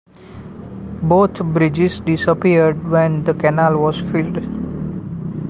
Both bridges disappeared when the canal was filled.